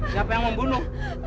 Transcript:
siapa yang membunuh